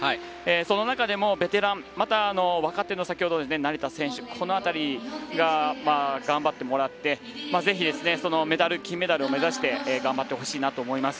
その中でもベテランまた、若手の先程の成田選手辺りに頑張ってもらってぜひ金メダルを目指して頑張ってほしいと思います。